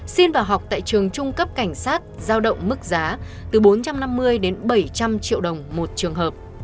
xin vào học tại trường trung cấp cảnh sát giao động mức giá từ bốn trăm năm mươi đến bảy trăm linh triệu đồng một trường hợp